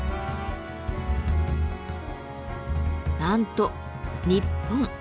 なんと日本。